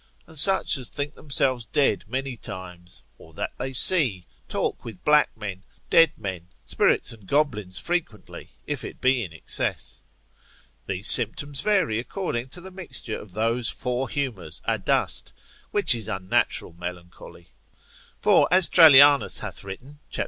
and such as think themselves dead many times, or that they see, talk with black men, dead men, spirits and goblins frequently, if it be in excess. These symptoms vary according to the mixture of those four humours adust, which is unnatural melancholy. For as Trallianus hath written, cap.